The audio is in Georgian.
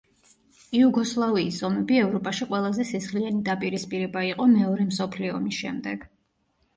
იუგოსლავიის ომები ევროპაში ყველაზე სისხლიანი დაპირისპირება იყო მეორე მსოფლიო ომის შემდეგ.